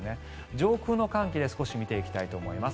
上空の寒気で少し見ていきたいと思います。